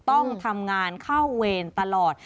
ต้องทำงานเข้าเวรตลอด